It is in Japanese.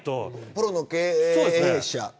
プロの経営者。